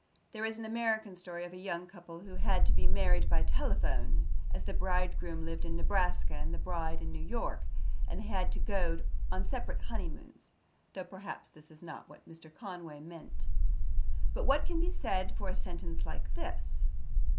There is an American story of a young couple who had to be married by telephone, as the bridegroom lived in Nebraska and the bride in New York, and they had to go on separate honeymoons; though, perhaps, this is not what Mr. Conway meant. But what can be said for a sentence like this?